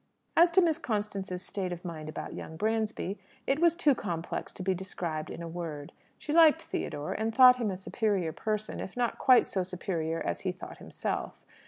As to Miss Constance's state of mind about young Bransby, it was too complex to be described in a word. She liked Theodore, and thought him a superior person; if not quite so superior as he thought himself.